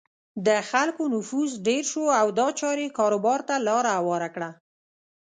د خلکو نفوس ډېر شو او دا چارې کاروبار ته لاره هواره کړه.